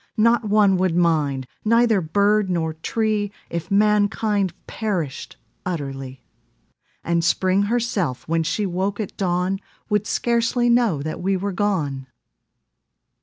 Not one would mind, neither bird nor tree If mankind perished utterly; And Spring herself, when she woke at dawn, Would scarcely know that we were gone.